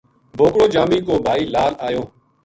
بوکڑو جامی کو بھائی لال آیو۔